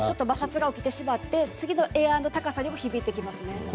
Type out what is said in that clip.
摩擦が起きてしまって次のエアの高さにも響いてきますね。